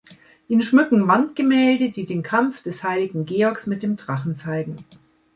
Ihn schmücken Wandgemälde, die den Kampf des Heiligen Georgs mit den Drachen zeigen.